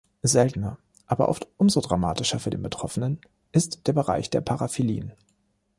Seltener, aber oft umso dramatischer für den Betroffenen, ist der Bereich der Paraphilien.